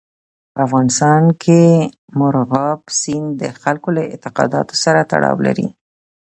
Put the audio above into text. په افغانستان کې مورغاب سیند د خلکو له اعتقاداتو سره تړاو لري.